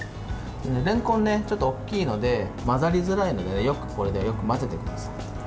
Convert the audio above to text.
れんこんは、ちょっと大きいので混ざりづらいのでよくこれで混ぜていきます。